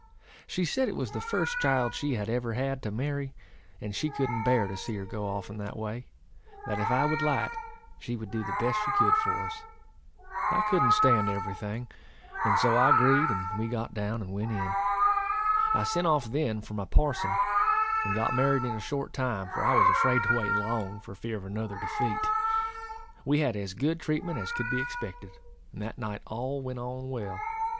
She said it was the first child she had ever had to marry; and she couldn't bear to see her go off in that way; that if I would light, she would do the best she could for us. I couldn't stand every thing, and so I agreed, and we got down, and went in. I sent off then for my parson, and got married in a short time; for I was afraid to wait long, for fear of another defeat. We had as good treatment as could be expected; and that night all went on well.